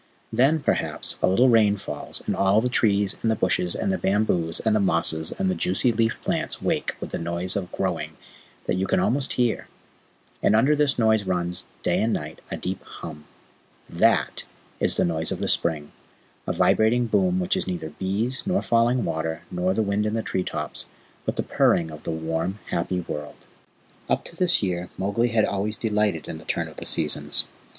Then, perhaps, a little rain falls, and all the trees and the bushes and the bamboos and the mosses and the juicy leaved plants wake with a noise of growing that you can almost hear, and under this noise runs, day and night, a deep hum. THAT is the noise of the spring a vibrating boom which is neither bees, nor falling water, nor the wind in tree tops, but the purring of the warm, happy world. Up to this year Mowgli had always delighted in the turn of the seasons.